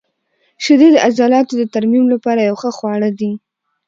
• شیدې د عضلاتو د ترمیم لپاره یو ښه خواړه دي.